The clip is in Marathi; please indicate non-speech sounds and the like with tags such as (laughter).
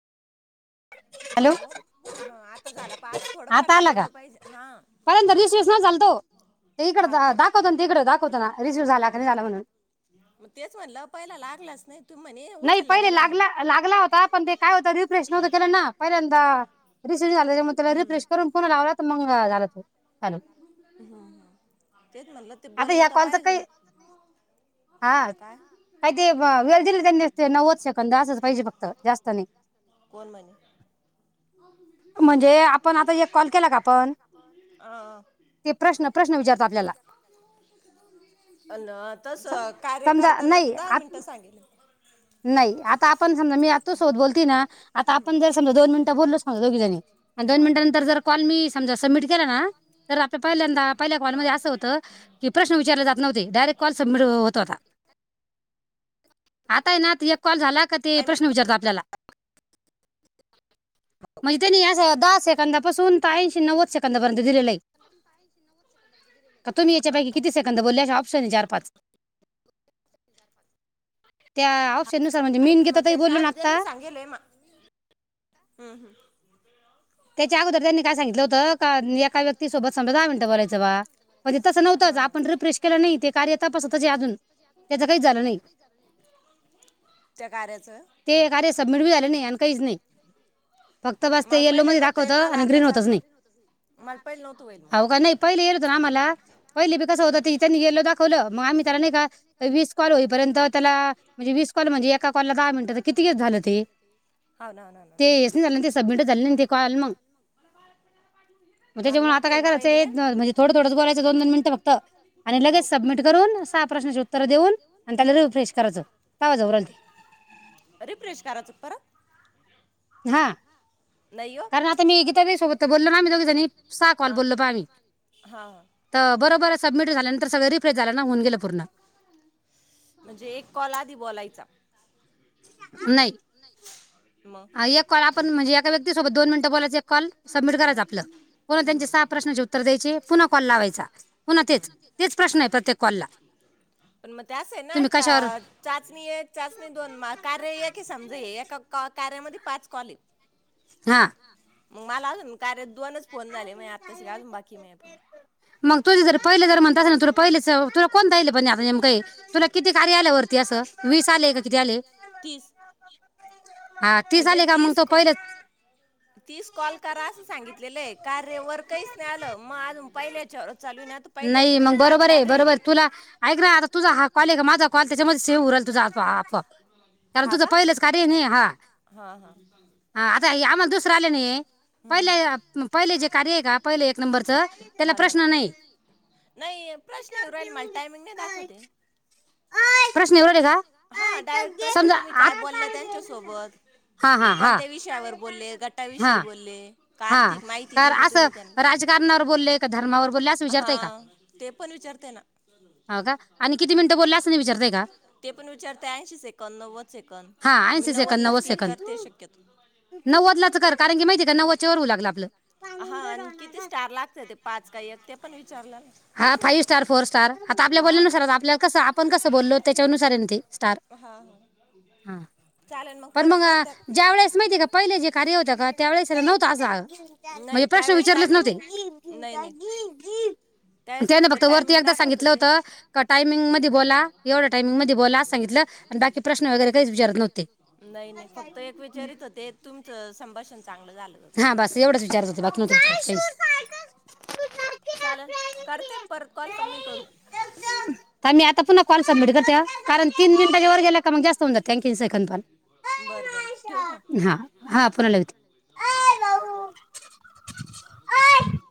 हॅलो हा आता झाला पास थोड फार आता त आला का बोल्ल पाहिजे हा पहिल्यांदा रिसिव्ह नाही झाला तो ते इकडं हा दा- का? दाखवतो ना तिकडं दाखवतो ना रिसिव्ह झाला का हम् नाही झाला म्हणून म तेच म्हणलं पयला लागलाच नई तुमा नाई पयले लागला लागला होता पण ते काय होत रिफ्रेश नव्हत केलं ना पहिल्यां हा रिसिव्ह झालेला मग त्याला रिफ्रेश करून पुन्हा लावला तर मग झाला तो आता तेच म्हणलं ते बोललं या तर कॉलचा पाहिजे काही ना हा काय काही ती वेळ दिली त्यांनी ते नव्वद सेकंद असंच पाहिजे फक्त जास्त नाही कोण म्हणे म्हणजे आपण आता एक कॉल केला का आपण अ ते प्रश्न प्रश्न विचारतं आपल्याला, अन सम तसं कार्य समजा करताना नाही तर दहा आत मिनटं सांगेल नाही, आता आपण समजा मी तुझसोबत बोलतीयना आता आपण जर समजा, दोन मिनिटं बोलोच ना दोघीजनी, आता दोन हा मिनिटनंतर जर कॉल मी समजस सबमिट केलं ना तर आपल्या पहिल्यांदा पहिल्या हा कॉलमध्ये असं होतं की प्रश्न विचारले जात नव्हते डायरेक्ट कॉल सबमिट होत होता तय ना त एक कॉल झाला, का ते काय मी प्रश्न विचारतं आपल्याला म्हयतनी या स दहा सेकंदापासून ते ऐंशी नव्वद सेकंदपर्यंत दिलेलं आहे का तुम्ही याच्या पैकी किती सेकंद बोलल्या ऑफ (inaudible) पाच त्या शेनुसार म्हणजे मी णि मग गीताताई त्याच्या बोललो ना आधी त्यांनी आत्ता सांगेल आहे मा हम्म हम्म त्याच्या अगोदर त्यांनी काय सांगितलं होतं का एका व्यक्ती सोबत समजा दहा मिनटं बोलायचं बा म्हणज तसं हा नव्हतंच हा आपण रिफ्रेश केलं नाही ते कार्य तपासतच अजून त्याच काही झालं नाही त्या कार्याचं ते कार्य सबमिट बी झालं नाही आणि काहीच नाही फक्त बास ते मला येलो पहिलं म नव्हतं दाखवत येईल मला आणि आता ग्रीन होतच चालू नाही मला पहिलं नव्हतं होईल आहो मग काय नाही पहिल येत होत ना आम्हाला पहिल बी कसं होत ती त्यांनी यलो दाखवल मग आम्ही तर नाही का वीस कॉल होपर्यंत त्याला म्हणजे वीस कॉल म्हणजे एका कॉलला दहा मिनटं, तर किती गे झालं ते? हो ना हो ना हो ना ते यसानी झालं ना ते सबमिट झाल नाही ते कळालं म? म्हणजे मला जेव्हा आता नव्हतं काय येईल पहिले करायचे ज म म्हणजे थोडं थोडचं बोलायचं दोन दोन मिनटं फक्त आणि हो लगेच सबमिट करून सहा प्रश्नाचे उत्तरं देऊन आन त्याला रिफ्रेश करायचं तवा (unintelligible) ते रिफ्रेश करायचं का परत हा नाही हो कारण आता मी गीताताई सोबत बोललो ना, आम्ही दोघी जनी सा कॉल हां बोललो ब आम्ही, हां त बरोबर सबमिट झाल्यानंतर सगळं रिफ्रेश झालं ना? होऊन गेलं पूर्ण म्हणजे एक कॉल आधी बोलायचा नाही, मग एक कॉल आपण म्हणजे एका व्यक्ती सोबत दोन मिनिटं बोलायच, एक कॉल सबमिट करायचं, आपलं पुन्हा हम्म, त्यांचे सहा प्रश्नाचे उत्तर द्यायचे, पुन्हा कॉल लावायचा पुन्हा हम्म. तेच तेच प्रश्न येतात त्या कॉलला क्लास हे ना तुम्ही आत्ता कशावर चाचणी एक, चाचणी दोन पण मला कार्य ही समजे एका कॅ, कार्यामध्ये पाच कॉलेत. हा. मला अजून कार्याचे दोनच फोन झाले. मी आत्ता शीक अजून बाकीय मी मग तुझे जर पहिले जर म्हणत असल ना तुला पहिलेच तुला कोण द्यायले आप नेमकं हे तुला किती कार्य आल्या वरती असं? वीस आले का किती आले? तीस हा म्हणजे आले का मग तीस तो कॉ पहिलेच तीस कॉल करा असं सांगितलं लेले, कार्या वर कैच नइ आलं माझं पहिल्याचं. नाही मग बरोबर हे बरोबर! तुला ऐक ना आता तुझा हा कॉल ये का माझा कॉल त्याच्यामध्ये सेव हु राहिला तुझा हा कॉक कारण हा तुझं का पहिलंच कार्य आहे ना हा हा हा हा आता आम्हाला दुसरं आले नाही पहिले हम्म हम्म पहिले जे कार्य आहे का पहिलं एक नंबरच त्याला प्रश्न नाय. नै प्रश्न येऊ राहिले मला टायमिंग नै दाखवते. प्रश्न येऊ राहिले का? हा डायरेक्ट प्रश्न समजा तुम्ही काय आत- बोलला त्यांच्यासोबत हा हा हा कोणत्या विषयावर बोलले हा गटाविषयी बोलले. का हा आर्थिक माहिती तर दिली असं तुम्ही त्यांना राजकारणावर बोललेय का धर्मावर बोलले असं विचारतय का हा ते पण विचारते ना हो का आणि किती मिनिटं बोलले असं नाही विचारतय का? ते पण विचारते ऐंशी सेकंद नव्वद सेकंद हा मी ऐंशी सेकंद नव्वदलाच नव्वद क्लिक सेकंद करते शक्यतो नव्वदलाच कर कारण की माहिती का नव्वद चोरू लागलं आपलं हा आणि किती स्टार लागते ते पाच का एक ते पण विचारलं ना हा फाइव्ह स्टार फोर स्टार आता आपल्या हा बोलण्यानुसारच आपल्या कस आपण कसं बोललो तेच्यानुसार आहे ना ते स्टार हा हा चालेल पण परत मग करत्या का ज्या वेळेस माहिती आहे का पहिले जे कार्य होत का त्यावेळेस त्या नव्ह (unintelligible) म्हणजे नाही प्रश्न त्यावेळेस विचारलेच टायमिंग नव्हते नाही नाही त्यावेळेस त्यान फक्त वरती टायमिंग एकदा दाखवत सांगितलं होते होत का टायमिंग मध्ये बोला एवढ्या टायमिंग मध्ये बोला सांगितलं आणि बाकी प्रश्न वगैरे काही विचारत नव्हते नाही नाही फक्त एक विचारित होते तुमचं संभाषण चांगलं झालं हा बस एवढंच बग (unintelligible) विचारत प्रश्न होते बाकी हं नव्हते विचारत काहीच. चालल करत्यात परत कॉल का मी करू थांब थांब आता मी पुन्हा कॉल सबमिट हा. करते अं कारण तीन गेला मिनिटाच्या का मग जास्त वर होऊन जाते गेल की आणखीन सेकंद जास्त होऊन जाते आणि पण तीन सेकंद बरं बरं ठेवू का मपण हा हा पुन्हा लाविते (inaudible) (inaudible)